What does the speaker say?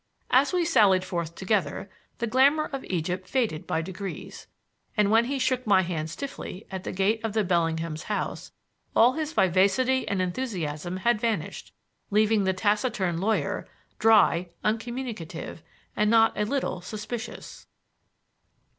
As we sallied forth together the glamour of Egypt faded by degrees, and when he shook my hand stiffly at the gate of the Bellinghams' house, all his vivacity and enthusiasm had vanished, leaving the taciturn lawyer, dry, uncommunicative, and not a little suspicious.